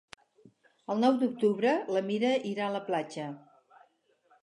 El nou d'octubre na Mira irà a la platja.